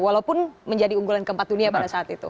walaupun menjadi unggulan keempat dunia pada saat itu